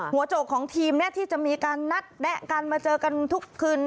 โจกของทีมที่จะมีการนัดแนะกันมาเจอกันทุกคืน